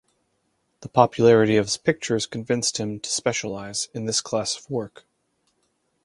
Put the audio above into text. The popularity of his pictures convinced him to specialise in this class of work.